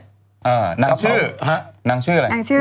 อ่านางชื่อนางชื่ออะไร